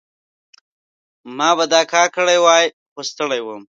ما به دا کار کړی وای، خو ستړی وم.